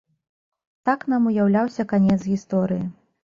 Так нам уяўляўся канец гісторыі.